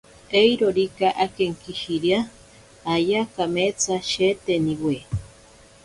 Eirorika akenkishirea ayaa kametsa sheeteniwe.